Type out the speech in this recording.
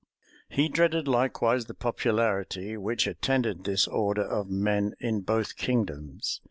He dreaded likewise the popularity which attended this order of men in both kingdoms.